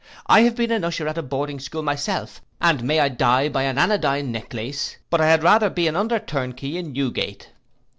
I have been an usher at a boarding school myself; and may I die by an anodyne necklace, but I had rather be an under turnkey in Newgate.